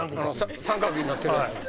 三角なってるやつ。